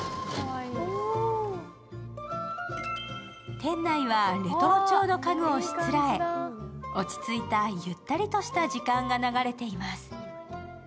店内はレトロ調の家具をしつらえ、落ち着いたゆったりとした時間が流れています。